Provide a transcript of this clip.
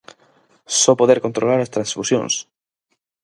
¡Só poder controlar as transfusións!